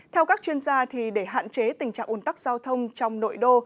theo các chuyên gia để hạn chế tình trạng ủn tắc giao thông trong nội đô